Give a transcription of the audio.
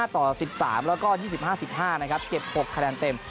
ต่อ๑๓แล้วก็๒๕๑๕นะครับเก็บ๖คะแนนเต็ม